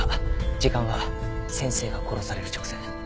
時間は先生が殺される直前。